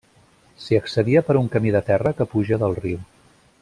S'hi accedia per un camí de terra que puja del riu.